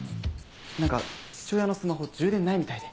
何か父親のスマホ充電ないみたいで。